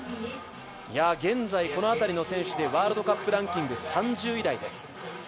現在、この辺りの選手でワールドカップランキング３０位台です。